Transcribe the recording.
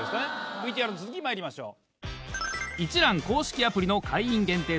ＶＴＲの続きまいりましょう。